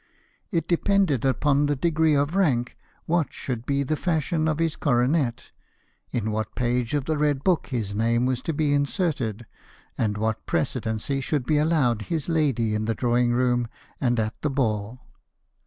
It depended upon the degree of rank what should be the fashion of his coronet, in what page of the red book his name was to be inserted, and what pre cedency should be allowed his lady in the drawing room and at the ball.